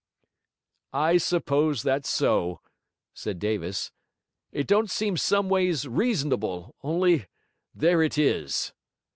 'I suppose that's so,' said Davis. 'It don't seem someways reasonable, only there it is.'